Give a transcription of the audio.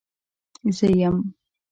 زه يم.